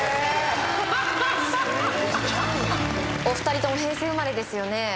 お二人とも平成生まれですよね？